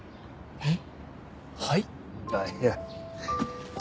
えっ？